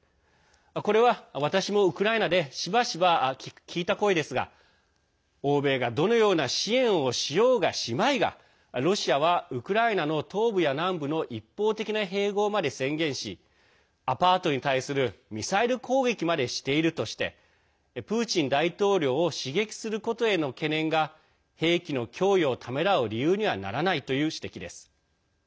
これは、私もウクライナでしばしば聞いた声ですが欧米がどのような支援をしようが、しまいがロシアは、ウクライナの東部や南部の一方的な併合まで宣言しアパートに対するミサイル攻撃までしているとしてプーチン大統領を刺激することへの懸念が兵器の供与をためらう理由にはならないという指摘です。